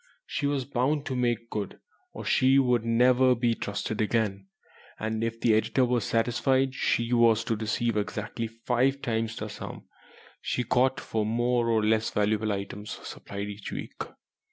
She was bound to "make good" or she would never be trusted again, and if the editor were satisfied she was to receive exactly five times the sum she got for more or less valuable items supplied each week.